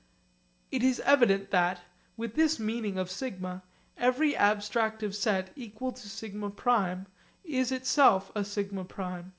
It is evident that with this meaning of σ every abstractive set equal to a σ prime is itself a σ prime.